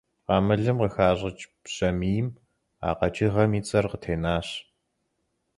Къамылым къыхащӀыкӀ бжьамийм а къэкӀыгъэм и цӀэр къытенащ.